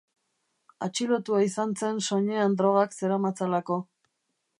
Atxilotua izan zen soinean drogak zeramatzalako.